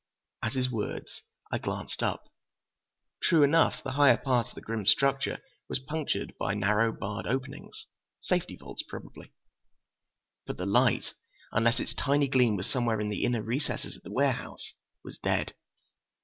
At his words, I glanced up. True enough, the higher part of the grim structure was punctured by narrow, barred openings. Safety vaults, probably. But the light, unless its tiny gleam was somewhere in the inner recesses of the warehouse, was dead.